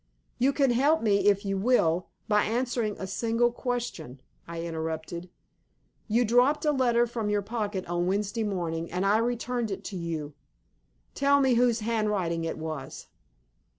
"You can help me if you will, by answering a single question," I interrupted. "You dropped a letter from your pocket on Wednesday morning, and I returned it to you. Tell me whose handwriting it was!"